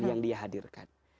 yang dia hadirkan